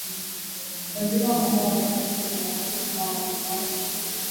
Waziri wa Mambo ya Ndani Fred Matiang’i pia amesema